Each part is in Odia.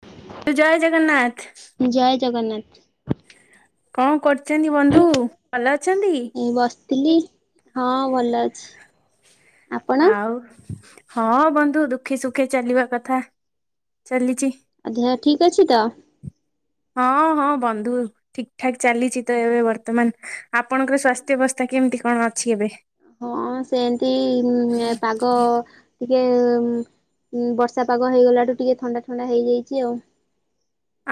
[inaudible] ଜୟ ଜଗନ୍ନାଥ। ଜୟ ଜଗନ୍ନାଥ। କଣ କର ଚନ୍ତି ବନ୍ଧୁ ଭଲ ଅଛନ୍ତି? ଏଇ ବସିଥିଲି ହଁ ଭଲ ଅଛି। ଆପଣ ଆଉ ହଁ ବନ୍ଧୁ ଦୁଃଖେ ସୁଖେ ଚାଲିବା କଥା ଚାଲିଚି। ଆଧିଆ ଠିକ ଅଛି ତ? ହଁ, ହଁ ବନ୍ଧୁ। ଠିକ ଠାକ ଚାଲିଛି ତ ଏବେ ବର୍ତ୍ତମାନ। ଆପଣଙ୍କର ସ୍ୱାସ୍ଥ୍ୟ ଅବସ୍ଥା କେମିତି କଣ ଅଛି ଏବେ? ହଁ ସେମତି ଉଁ, ଏ ପାଗ ଗ ଟିକଏ ଉଁ, ଉଁ, ବର୍ଷା ପାଗ ହେଇଗଲାଠୁ ଟିକେ ଥଣ୍ଡା ଥଣ୍ଡା ହେଇଯାଇଚି ଆଉ।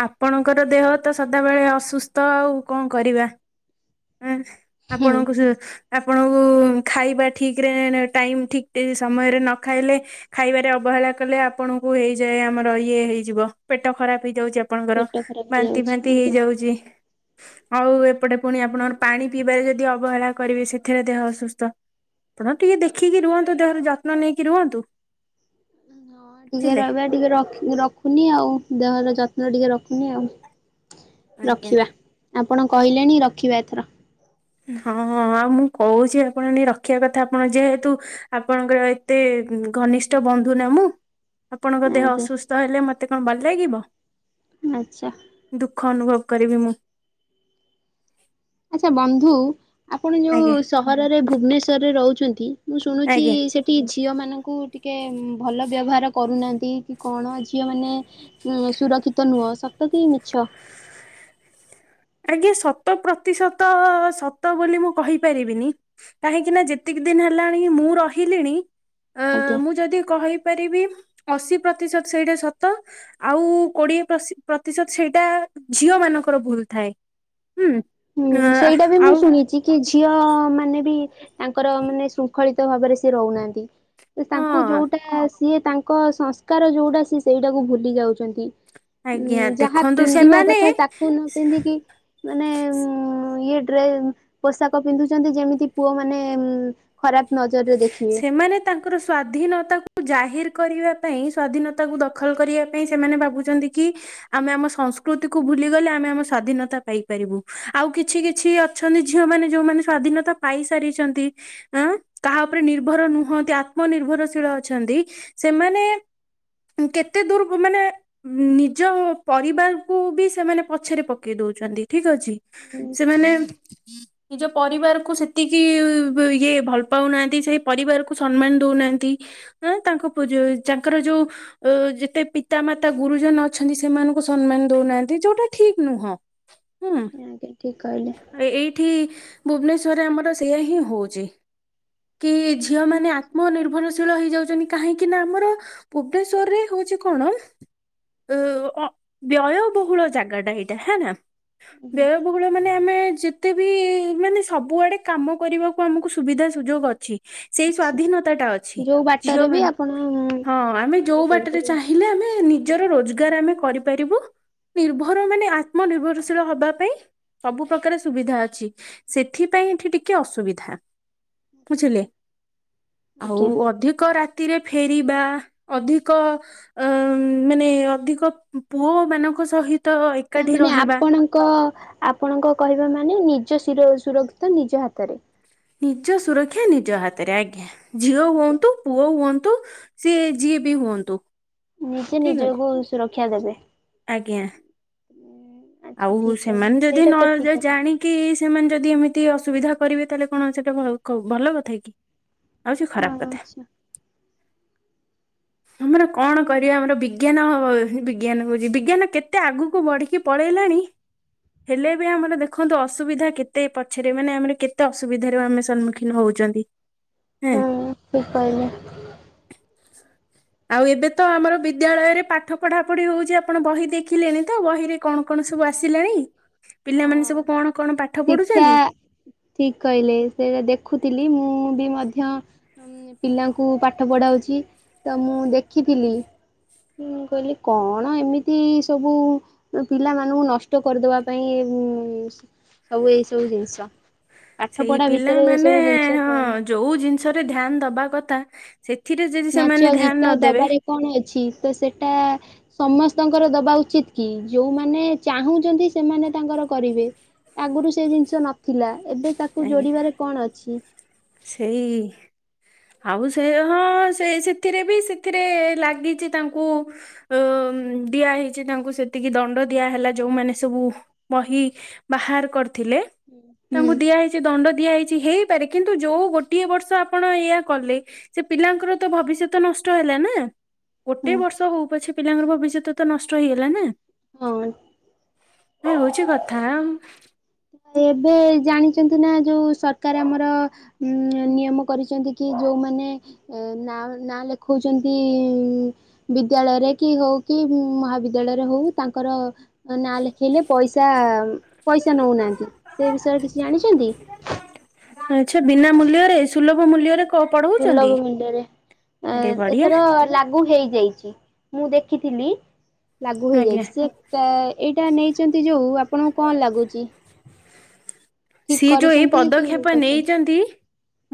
ଆପଣଙ୍କର ଦେହ ତ ସଦାବେଳେ ଅସୁସ୍ଥ ଆଉ କଣ କରିବା। ଏଁ, ହୁଁ ଆପଣଙ୍କୁ ସିଏ ଆପଣଙ୍କୁ ଖାଇବା ଠିକରେ ନେ ଟାଇମ୍ ଠିକ୍ ସମୟରେ ନ ଖାଇଲେ ଖାଇବାରେ ଅବହେଳା କଲେ ଆପଣଙ୍କୁ ହେଇଯାଏ ଆମର ଇଏ ହେଇଯିବ ପେଟ ଖରାପ ହେଇଯାଉଛି। ଆ ଆପଣଙ୍କର ପେଟ ଖରାପ ବାନ୍ତି ହେଇଯାଉଛି ଫାନ୍ତି ଆଜ୍ଞା। ହେଇଯାଉଚି। ଆଉ ଏପଟେ ପୁଣି ଆ ଆପଣଙ୍କର ପାଣି ପିଇବାରେ ଯଦି ଅବହେଳା କରିବେ ସେଥିରେ ଦେହ ଅସୁସ୍ଥ। ଆପଣ ଟିକେ ଦେଖିକି ରୁହନ୍ତୁ ଦେହର ଯତ୍ନ ନେଇକି ରୁହନ୍ତୁ। ହଁ ଟିକେ ବୁଝିଲେ। ରହିବା। ଟିକେ ରଖ ରଖୁନି ଆଉ ଦେହର ଯତ୍ନ ଟିକେ ରଖୁନି ଆଉ। ଆଜ୍ଞା ରଖିବା ଆପଣ କହିଲେଣି ରଖିବା ଏଥର। ହଁ ଆଉ ମୁଁ କହୁଛି ଆପଣ ନେ ରଖିବା କଥା ଆପଣ ଯେହେତୁ ଆପଣଙ୍କର ଏତେ ଘନିଷ୍ଠ ବନ୍ଧୁ ନା ମୁଁ। ଆପଣଙ୍କ ଦେହ ଆଜ୍ଞା ଅସୁସ୍ଥ ହେଲେ, ମୋତେ କଣ ଭଲ ଲାଗିବ? ଆଚ୍ଛା। ଦୁଃଖ ଅନୁଭବ କରିବି ମୁଁ। ଆଚ୍ଛା ବନ୍ଧୁ, ଆପଣ ଯୋଉ ଆଜ୍ଞା ସହରରେ ଭୁବନେଶ୍ଵରରେ ରହୁଛନ୍ତି। ମୁଁ ଶୁଣୁଛି ଆଜ୍ଞା ସେ ଟି ଝିଅମାନଙ୍କୁ ଟିକେ ଉଁ, ଭଲ ବ୍ୟବହାର କରୁନାହାନ୍ତି। କି କଣ ଝିଅମାନେ ଉଁ, ସୁରକ୍ଷିତ ନୁହଁ, ସତ କି ମିଛ? ଆଜ୍ଞା ଶତ ପ୍ରତିଶତ ସତ ବୋଲି ମୁଁ କହିପାରିବିନି। କାହିଁକି ନା ଯେତିକି ଦିନ ହେଲାଣି ମୁଁ ରହିଲିଣି ଅ, ଆଜ୍ଞା। ମୁଁ ଯଦି କହିପାରିବି ଅଶୀ ପ୍ରତିଶତ ସେଇଟା ସତ। ଆଉ କୋଡିଏ ପ୍ରଶି ପ୍ରତିଶତ ସେଇଟା ଝିଅ ମାନଙ୍କର ଭୁଲ ଥାଏ। ହୁଁ ହୁଁ ସେଇଟା ବି ମୁଁ ଆଉ ଶୁଣିଛି କି ଝିଅ ମାନେ ବି ତାଙ୍କର ମାନେ ଶୁ ଖଳିତ ଭାବରେ ସିଏ ରହୁନାହାନ୍ତି ତାଙ୍କୁ ହଁ ଯୋଉଟା ସିଏ ତା ଙ୍କ ସଂସ୍କାର ଯୋଉଟା ସେ ସେଇଟାକୁ ଭୁଲି ଯାଉଛନ୍ତି। ଆଜ୍ଞା ଉ ଯାହା ଦେଖନ୍ତୁ ପିନ୍ଧିବା ସେମାନେ କଥା ତାକୁ ନ ପିନ୍ଧିକି ମାନେ ଉଁ ଇଏ ଡ୍ରେ ପୋଷାକ ପିନ୍ଧୁଚନ୍ତିଇ ଯେମିତି ପୁଅ ମାନେ ଖରାପ ନଜରରେ ଦେଖି ମାନେ ତାଙ୍କର ସ୍ଵାଧୀନତାକୁ ଜାହିର କରିବା ପାଇଁ, ସ୍ଵାଧୀନତାକୁ ଦଖଲ କରିବା ପାଇଁ ସେମାନେ ଭାବୁ ଚନ୍ତୁଇ କି ଆମେ ଆମ ସଂସ୍କୃତିକୁୁ ଭୁଲିଗଲେ। ଆମେ ଆମେ ସ୍ଵାଧୀନତା ପାଇ। ପାରିବୁ ଆଉ କିଛି, କିଛି ଅଛନ୍ତି ଝିଅ ମାନେ ଯୋଉମାନେ ସ୍ଵାଧୀନତା ପାଇସାରିଛନ୍ତି। ଆଁ କାହା। ଉପରେ ନିର୍ଭର ନୁହନ୍ତି। ଆତ୍ମ ନିିର୍ଭରଶୀଳ ଅଛନ୍ତି। ସେମାନେ କେତେ ଦୂରକୁ? ମାନେ ନିଜ ପରିବାରକୁୁ ବି ସେମାନେ ପଛରେ ପକେଇ ଦଉଛନ୍ତି। ଠିକ ଅଛି। ସେମାନେ। ନିଜ ପରିବାର କୁ ସେତିକି ଇଏ ଭଲ ପାଉନାହାନ୍ତି। ତିସେଇ ପରିବାରକୁ ସମ୍ମାନ ଦଉନାହାନ୍ତି। ଆ ତାଙ୍କ ପୁଅ ଯୋଉ ତାଙ୍କର ଯୋଉ। ଅ ଯେତେ ପିତାମାତା ଗୁରୁଜନ ଅଛନ୍ତି, ସେମାନଙ୍କୁ ସମ୍ମାନ ଦଉନାହାନ୍ତି। ଯୋଉଟା ଠିକ ନୁହଁ। [inaudible] ଆଜ୍ଞା। ଠିକ କହିଲେ। ଏଇଠି, ଭୁବନେଶ୍ଵରରେ ଆମର, ସେଇୟା ହିଁ ହଉଛି। କି, ଝିଅ ମାନେ ଆତ୍ମନିର୍ଭରଶୀଳ ହେଇଯାଉଛନ୍ତି। କାହିଁକିନା ଆମର। ଭୁବନେଶ୍ଵର ରେ ହଉଛି କଣ ଅ ବ୍ୟୟବହୁଳ ଜାଗା ଟା ଏଇଟା ହେନା। ଆଜ୍ଞା ବ୍ୟୟ। ସବୁବେଳେ ମାନେ ଆମେ ଯେତେ ବି ମାନେ ସବୁଆଡେ କାମ କରିବାକୁ ଆମକୁ ସୁବିଧା ସୁଯୋଗ ଅଛି। ସେଇ ଅଛି ସ୍ଵାଧୀନତା ଟା ଅଛି। ଯୋଉ ଝିଅ ବାଟରେ ବି ମାନେ। ଆପଣ ହଁ, ଆମେ ଇଏ ଯୋଉ ବାଟରେ କରିପାରିବେ। ଚାହିଁ। ହେଲେ ଆମେ ନିଜର ରୋଜଗାର ଆମେ କରିପାରିବୁ। ନିର୍ଭର ମାନେ ଆତ୍ମନିର୍ଭରଶୀଳ ହବା ପାଇଁ। ସବୁ ପ୍ରକାର ସୁବିଧା ଅଛି। ସେଥିପାଇଁ, ଏଠି ଟିକେ ଅସୁବିଧା। ଆଛା ବୁଝିଲେ? ଆଉ ଆଜ୍ଞା ଅଧିକ ରାତିରେ ଫେରିବା। ଅଧିକ ଅ ମାନେ ଅଧିକ ପୁଅ ମାନଙ୍କ ସହିତ। ଏକାଠି ତାମାନେ ରହିବା ଆପଣ। ଙ୍କ ଆପଣଙ୍କ କହିବା ମାନେ, ନିଜ ସୁର ସୁରକ୍ଷିତ ନିଜ ହାତରେ। ନିଜ ସୁରକ୍ଷା ନିଜ ହାତରେ। ଆଜ୍ଞା। ଝିଅ ହୁଅନ୍ତୁ, ପୁଅ ହୁଅନ୍ତୁ। ସିଏ ଯିଏ ବି ହୁଅନ୍ତୁ। ନିଜେ ଠିକ ଅଛି ନିଜକୁ ସୁରକ୍ଷା ଦେବେ। ଆଜ୍ଞା। ଆଚ୍ଛା ଆଉ ଠିକ କହିଲେ ସେମାନେ ଯଦି ସେଇଟା ନ ତ ଠିକ ଯେ କଥା ଜାଣି। କି ସେମାନେ ଯଦି ଏମିତି ଅସୁବିଧା କରିବେ, ତାହେଲେ କଣ, ସେଇଟା ଭଲ କଥା କି? ଆଉ ସେ ଖରାପ କଥା। ଆଚ୍ଛା। ଆମର କଣ କରିବା? ଆମର ବିଜ୍ଞାନ, ବିଜ୍ଞାନ କହୁଛି। ବିଜ୍ଞାନ କେତେ ଆଗକୁ ବଢିକି। ପଳେଇଲାଣି? ହେଲେ ବି ଆମର ଦେଖନ୍ତୁ ଅସୁବିଧା କେତେ ପଛରେ ମାନେ ଆମର କେତେ ଅସୁବିଧାରେ ଆମେ ସମ୍ମୁଖୀନ ହଉଛନ୍ତି ହୁଁ ଉପାୟ ନେ ଆଉ ଏବେ ତ ଆମର ବିଦ୍ୟାଳୟରେ ପାଠ ପଢା ପଢି ହଉଛି ଆପଣ ବହି ଦେଖିଲେଣି ତ ବହିରେ କଣ କଣ ସବୁ ଆସିଲାଣି ପିଲାମାନେ ହଁ। ସବୁ କଣ କଣ ପାଠ ପଢୁଛନ୍ତି। ଠିକ୍ କହିଲେ। ସେଇଟା ଦେଖୁଥିଲି। ମୁଁ, ବି ମଧ୍ୟ। ପିଲାଙ୍କୁ ପାଠ ପଢ଼ାଉଛି। ତ, ମୁଁ ଦେଖିଥିଲି। ହୁଁ କହିଲି କଣ ଏମିତି ସବୁ ପିଲାମାନଙ୍କୁ ନଷ୍ଟ କରିଦବା। ପାଇଁ। ଉ ସବୁ ଏଇ ସବୁ ଜିନିଷ। ପାଠ ସେଇ ପଢା ଭିତରେ ଏଇ ପିଲାମାନେ ସବୁ ଜିନିଷ ହଁ ଥାଏ। ଯୋଉ ଜିନିଷ ରେ ଧ୍ୟାନ ଦବା କଥା, ସେଥିରେ ଯଦି ସେମାନେ ନାଚ ଧ୍ୟାନ ଗୀତ ନ ଦେବେ ଦବାରେ କଣ ଅଛି? ତ ସେଟା ସମସ୍ତଙ୍କର ଦବା ଉଚିତ କି, ଯୋଉମାନେ ଚାହୁଁଚନ୍ତି ସେମାନେ ତାଙ୍କର କରିବେ। ଆଗରୁ ସେ ଜିନିଷ ନଥିଲା। ଏବେ, ତାକୁ ଆଜ୍ଞା ଯୋଡିବାରେ କଣ ଅଛି? ସେଇ ଆଉ ସେ ହଁ ସେ ସେଥିରେ ବି ସେଥିରେ ଲାଗିଛି ତାଙ୍କୁ ଅ ଦିଆ ହେଇଚି ତାଙ୍କୁ ସେତିକି ଦଣ୍ଡ ଦିଆହେଲା ଯୋଉମାନେ ସବୁ ବହି ବାହାର କରିଥିଲେ ହୁଁ ତାଙ୍କୁ ଦିଆହଇଚି ଦଣ୍ଡ ଦିଆ ହେଇଚି ହେଇପାରେ କିନ୍ତୁ ଯୋଉ ଗୋଟିଏ ବର୍ଷ ଆପଣ ଏଇଆ କଲେ ସେ ପିଲାଙ୍କର ତ ଭବିଷ୍ୟତ ନଷ୍ଟ ହେଲା ନା, ହୁଁ। ଗୋଟେ ବର୍ଷ ହଉ ପଛେ ପିଲାଙ୍କର ଭବିଷ୍ୟତ ତ ନଷ୍ଟ ହେଇଗଲା ନା। ହଁ। ଏହା ହଉଚି କଥା ଆଁ। ଏବେ ଜାଣିଛନ୍ତି ନା ଯୋଉ ସରକାର ଆମର ଉଁ ନିୟମ କରିଛନ୍ତି କି ଯୋଉମାନେ ଏ ନା ନାଁ ଲେଖଉଛନ୍ତି ବିଦ୍ୟାଳୟରେ କି ହଉ କି ମହାବିଦ୍ୟାଳୟରେ ହଉ ତାଙ୍କର ନା ଲେଖଇଲେ ପଇସା ପଇସା ନଉନାହାଁନ୍ତି। ସେ ବିଷୟରେ କିଛି ଜାଣିଛନ୍ତି? ଆଛା ବିନା ମୂଲ୍ୟରେ ସୁଲଭ ମୂଲ୍ୟରେ କ ସୁଲଭ ପଢଉଛନ୍ତି ମୂଲ୍ୟରେ‌ ଆରେ ଏଁ ବଢିଆ ଏଥର ଲାଗୁ ହେଇଯାଇଛି। ମୁଁ ଦେଖିଥିଲି ଲାଗୁ ଆଜ୍ଞା ହେଇଯାଇଛି ସେ ଟା ଏଇଟା ନେଇଛନ୍ତି ଯୋଉ ଆପଣଙ୍କୁ କଣ ଲାଗୁଛି? ଠିକ ସିଏ ଯୋଉ ଏଇ କରିଛନ୍ତି କି ଭୁଲ ପଦକ୍ଷେପ କରିଛନ୍ତି? ନେଇଚନ୍ତି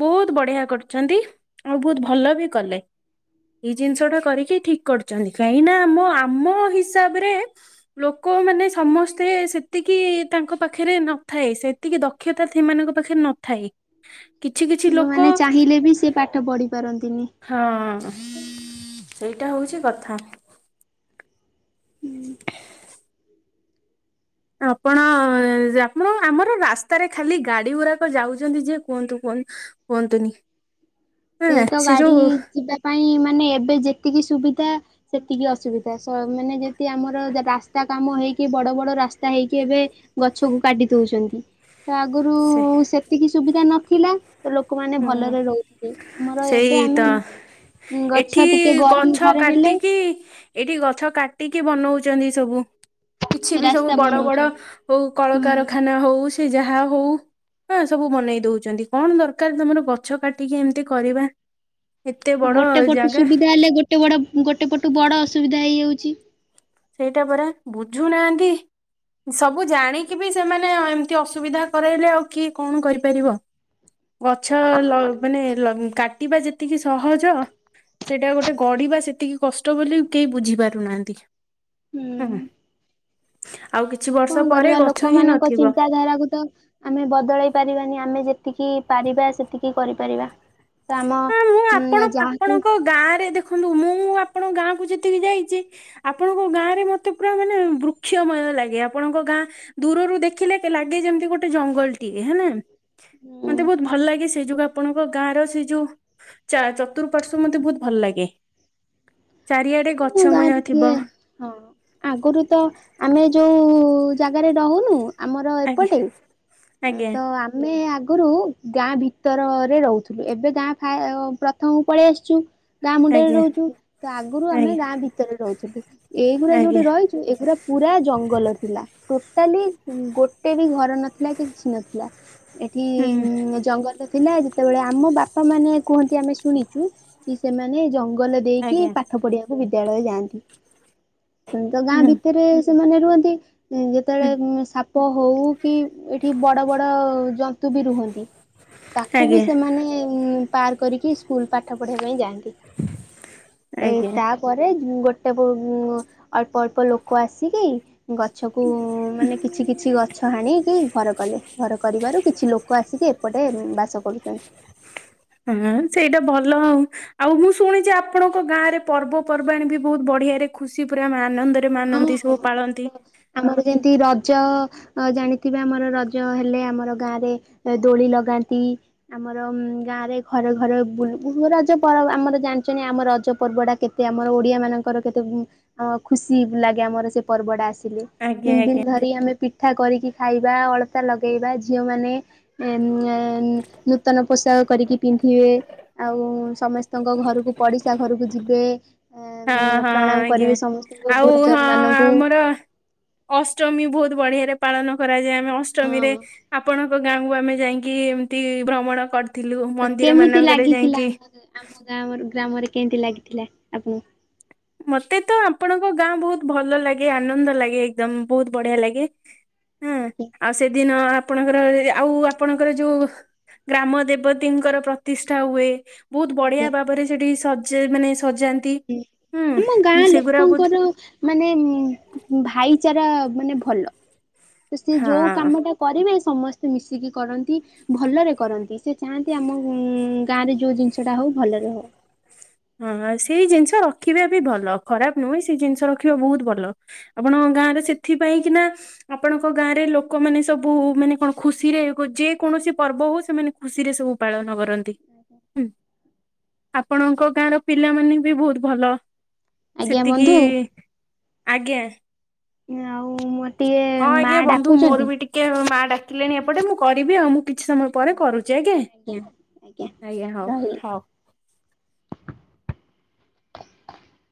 ବହୁତ ବଢିଆ କରୁଛନ୍ତି, ଆଉ ବହୁତ ଭଲ ବି କଲେ। ଏଇ ଜିନିଷ ଟା ଆଜ୍ଞା। କରିକି ଠିକ କରିଛନ୍ତି କାହିଁକିନା ଆମ ଆମ ହିସାବରେ ଲୋକମାନେ ସମସ୍ତେ ସେତିକି ତାଙ୍କ ପାଖରେ ନଥାଏ ସେ ତିକି ଦକ୍ଷତା ସେମାନଙ୍କ ପାଖରେ ନଥାଏ। କିଛି କିଛି ଲୋକ ଯୋଉଁମାନେ ଚାହିଁଲେ ବି ସେ ପାଠ ପଢି ପାରନ୍ତିନି। ହଁ ସେଇଟା ହଉଚି କଥା। ଆପଣ ଆପଣ ଆମର ରାସ୍ତାରେ ଖାଲି ଗାଡି ଗୁରାକ ଯାଉଛନ୍ତି ଯେ କୁହନ୍ତୁ କୁହ କୁହନ୍ତୁନି। ସେଇ ହଁ ତ ସେ ଗାଡି ଯୋଉ ଯିବା ପାଇଁ ମାନେ ଏବେ ଯେତିକି ସୁବିଧା ସେତିକି ଅସୁବିଧା ସ ମାନେ ଯେନ୍ତି ଆମର ରାସ୍ତା କାମ ହେଇକି ବଡ଼ ବଡ଼ ରାସ୍ତା ହେଇକି ଏବେ ଗଛକୁ କାଟି ଦଉଛନ୍ତି। ତ ଆଗୁରୁ ସେ ସେତିକି ସୁବିଧା ନଥିଲା ତ ଲୋକମାନେ ହୁଁ ଭଲରେ ରହୁଥିଲେ। ଆମର ଏବେ ସେଇ ତ ଆମେ ଗଛ ଟିକେ ଗରମ ଘରେ ହେଲେ କି ଏଇଠି ଗଛ କାଟିକି ବନଉଛନ୍ତି ସବୁ, କିଛି ବି ସବୁ ରାସ୍ତା ବଡ ବଡ ବନଉଛନ୍ତି। ହଉ ହୁଁ। କଳକାରଖାନା ହଉ ସେ ଯାହା ହଉ ହ ସବୁ ବନେଇ ଦଉଛନ୍ତି କଣ ଦର କାର ତମର ଗଛ କାଟିକି ଏମିତି କରିବା। ଏତେ ଆଉ ବଡ ଗୋଟେ ପଟୁ ଜାଗା ସୁବିଧା ହେଲେ ଗୋଟେ ବଡ ଗୋଟେ ପଟୁ ବଡ ଅସୁବିଧା ହେଇଯାଉଚି। ସେଇଟା ପରା ବୁଝୁନାହାନ୍ତି, ସବୁ ଜାଣିକି ବି ସେମାନେ [unintelligible] ଏମିତି ଅସୁବିଧା କରାଇଲେ ଆଉ କି କଣ କରିପାରିବ ଗଛ ଲ ମାନେ ଲ କାଟିବା ଯେତିକି ସହଜ। ସେଇଟା ଗୋଟେ ଗଢିବା ସେତିକି କଷ୍ଟ ବୋଲି କେହି ବୁଝିପାରୁନାହାଁନ୍ତି। ହୁଁ ଆଉ କିଛି ବ କଁ କରିବା ଲୋକମାନଙ୍କ ଚିନ୍ତାଧାରାକୁ ତ ଆମେ ବଦଳେଇ ପାରିବାନି, ଆମେ ଯେତିକି ପାରିବା ସେତିକି କରିପାରିବା। ତ ଆମ ହଁ ମୁଁ ଆପଣ ଉଁ ଯାହାକୁ ଆପଣଙ୍କ ଗାଁ ରେ ଦେଖ ଦେଖନ୍ତୁ ମୁଁ ଆପଣଙ୍କ ଗାଁକୁୁ ଯେତିକି ଯାଇଛି ଆପଣଙ୍କ ଗାଁ ରେ ମତେ ପୁରା ମାନେ ବୃକ୍ଷମୟ ଲାଗେ, ଆପଣଙ୍କ ଗାଁ ଧୁରରୁ ଦେଖିଲେ ଲାଗେ ଯେମିତି ଗୋଟେ ଜଙ୍ଗଲଟିଏ ହେଲା। ଉଁ ମତେ ବହୁତ ଭଲ ଲାଗେ ସେଇ ଯୁ ଆପଣଙ୍କ ଗାଁ ର ଯୋଉ ଚା ଚତୁପାର୍ଶ୍ଵ ମତେ ବହୁତ ଭଲ ଲାଗେ ଚାରିଆଡେ ମୁଁ ଗଛମୟ ଗାଁରେ ଥିବ ଟିକେ ହଁ। ଆଗରୁ ତ ଆମେ ଯୋଉ ଜାଗାରେ ରହୁନୁ ଆମର ଆଜ୍ଞା ଏପଟେ ଆଜ୍ଞା ତ ଆ ଆମେ ଆଗରୁ ଗାଁ ଭିତରରେ ରହୁଥିଲୁ ଏବେ ଗାଁ ଫା ପ୍ରଥମକୁ ପଳେଇ ଆସିଛୁ। ଗାଁ ମୁଣ୍ଡରେ ଆଜ୍ଞା ରହୁଛୁ ତ ଆଗରୁ ଆମେ ଆଜ୍ଞା ଗାଁ ଭିତରେ ରହୁଥିଲୁ। ଏଇଗୁଡା ଯୋଉଠି ଆଜ୍ଞା ରହିଛୁ ଏଗୁରା ପୁରା ଜଙ୍ଗଲ ଥିଲା। ଟୋଟାଲି ଗୋଟେ ବି ଘର ନଥିଲା କି କିଛି ନଥିଲା। ଏଠି ହୁଁ ଜଙ୍ଗଲରେ ଥିଲା ଯେତେବେଳେ ଆମ ବାପା ମାନେ କୁହନ୍ତି ଆମେ ଶୁଣିଛୁ କି ସେମାନେ ଜ ଗଲ ଦେଇକି ଆଜ୍ଞା ପାଠ ପଢିବାକୁ ବିଦ୍ୟାଳୟ ଯାଆନ୍ତି। ତ ଗାଁ ହୁଁ ଭିତରେ ସେମାନେ ରୁହନ୍ତି। ଉଁ ଯେତେବେଳେ ହୁଁ ଉଁ ସାପ ହଉ କି ଏଠି ବଡ ବଡ ଜନ୍ତୁ ବି ରୁହନ୍ତି। ତାକୁ ବି ଆଜ୍ଞା ସେମାନେ ଉଁ ପାର କରିକି ସ୍କୁଲ ପାଠ ପଢିବା ପାଇଁ ଯାଆନ୍ତି। ଏ ଆଜ୍ଞା ତାପରେ ଗୋଟେ ଉଁ ଅଳ୍ପ ଅଳ୍ପ ଲୋକ ଆସିକି ଗଛ କୁ ମାନେ କିଛି କିଛି ଗଛ ହାଣି କି ଘର କଲେ ଘର କରିବାରୁ କିଛି ଲୋକ ଆସିକି ଏପଟେ ବାସ କରୁଛନ୍ତି। ହଁ ସେଇଟା ଭଲ ଆଉ। ଆଉ ମୁଁ ଶୁଣିଛି ଆପଣଙ୍କ ଗାଁ ରେ ପର୍ବପର୍ବାଣି ବି ବହୁତ ବଢିଆ ରେ ଖୁସି ପୁରା ଆମେ ଆନନ୍ଦ। ରେ ହଁ ମାନନ୍ତି ସବୁ ପାଳନ୍ତି। ଆମର ଆମର ଯେମିତି ରଜ ଅ ଜାଣିଥିବେ ଆମର ରଜ ହେଲେ ଆମର ଗାଁ ରେ ଏ ଦୋଳି ଲଗାନ୍ତି। ଆମର ଉଁ ଗାଁ ରେ ଘରେ ଘରେ ବୁଲ ରଜ ପର୍ବ ଆମର ଜାଣିଛନି ଆମ ରଜ ପର୍ବ ଟା କେତେ କେତେ ଆମର ଓଡିଆ ମାନଙ୍କର କେତେ ଉଁ ଆଁ ଖୁସି ଲାଗେ ଆମର ସେ ପର୍ବଟା ଆସିଲେ ଆଜ୍ଞା ତିନି ଆଜ୍ଞା ଦିନ ଧରି ଆମେ ପିଠା କରିକି ଖାଇବା, ଅଳତା ଲଗେଇବା ଝିଅ ମାନେ ଏ ଉଁ ମ ଏନ୍ ନୂତନ ପୋଷାକ କରିକି ପିନ୍ଧିବେ। ଆଉ ସମସ୍ତଙ୍କ ଘରକୁ ପଡିଶା ଘରକୁ ଯିବେ। ହଁ ଆ ହଁ ପ୍ରଣାମ କରିବି ସମସ୍ତଙ୍କୁ ଗୁରୁଜନ ମାନଙ୍କୁ। ତ ଅଷ୍ଟମୀ ବହୁତ ବଢିଆରେ ପାଳନ କରାଯାଏ। ଆମେ ହଁ। ଅଷ୍ଟମୀରେ ଆପଣଙ୍କ ଗାଁକୁ ଆମେ ଯାଇକି ଏମତି ଭ୍ରମଣ କରିଥିଲୁ ତ ମନ୍ଦିର କେମିତି ମାନଙ୍କରେ ଲାଗିଥିଲା ଯାଇକି। ଆମ ଆମ ଗାଁ ଗ୍ରାମରେ କେମତି ଲାଗିଥିଲା ଆପଣଙ୍କୁ? ମତେ ତ ଆପଣଙ୍କ ଗାଁ ବହୁତ ଭଲ ଲାଗେ ଆନନ୍ଦ ଲାଗେ। ଏକଦମ ବହୁତ ବଢିଆ ଲାଗେ, ହଁ ଆଉ ସେଦିନ ଆପଣଙ୍କର ଆଉ ଆପଣଙ୍କର ଯୋଉ ଗ୍ରାମ ଦେବତୀଙ୍କର ପ୍ରତିଷ୍ଠା ହୁଏ। ବହୁତ ବଢ଼ିଆ ଆଜ୍ଞା ଭାବରେ ସେଇଠି ସଜ ମାନେ ସଜାନ୍ତି। ହଁ ଆମ ଗାଁ ହୁଁ ସେଗୁରା ବହୁତ ଲୋକଙ୍କର ମାନେ ଭାଇଚାରା ମାନେ ଭଲ। ତ ସିଏ ଯୋଉ ହଁ। କାମଟା କରିବେ ସମସ୍ତେ ମିଶିକି କରନ୍ତି। ଭଲରେ କରନ୍ତି ସେ ଚାହାନ୍ତି ଉଁ ଆମ ଗାଁ ରେ ଯୋଉ ଜିନିଷ ଟା ହଉ ଭଲରେ ହଉ। ହଁ ହଁ ସେଇ ଜିନିଷ ରଖିବା ବି ଭଲ ଖରାପ ନୁହେଁ ସେଇ ଜିନିଷ ରଖିବା ବହୁତ ଭଲ। ଆପଣଙ୍କ ଗାଁ ରେ ସେଥିପାଇଁ କି ନା ଆପଣଙ୍କ ଗାଁରେ ଲୋକମାନେ ସବୁ ମାନେ କଣ ଖୁସିରେ ଯେ କୌଣସି ପର୍ବ ହଉ ସେମାନେ ଖୁସିରେ ସବୁ ପାଳନ କରନ୍ତି। [inaudible] ଆପଣଙ୍କ ଗାଁର, ପିଲା ମାନେ ବି ବହୁତ ଭଲ। ଆଜ୍ଞା ସେତିକି ବନ୍ଧୁ ଆଜ୍ଞା! ଆଉ, ମୋର ଟିଏ ମା ଡାକୁଚନ୍ତି। କେ ମା ଡାକିଲେଣି ଏପଟେ। ମୁଁ କରିବି ଆଉ, ମୁଁ କିଛି ସମୟ ପରେ କରୁଛି ଆଜ୍ଞା। ଆଜ୍ଞା, ହଉ ରହିଲି। ହଉ।